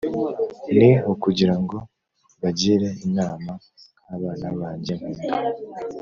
ni ukugira ngo mbagire inama nk abana banjye nkunda